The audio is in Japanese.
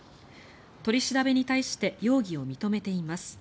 取り調べに対して容疑を認めています。